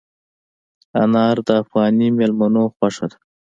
انار د افغاني مېلمنو خوښه ده.